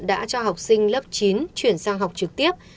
đã cho học sinh lớp chín chuyển sang học trực tiếp